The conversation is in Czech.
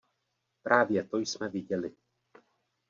Právě to jsme viděli.